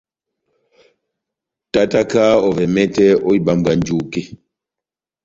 Tátáka ovɛ mɛtɛ ó ibambwa njuke.